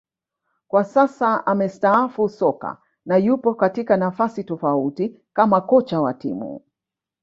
Kwa sasa amestaafu soka na yupo katika nafasi tofauti kama kocha wa timu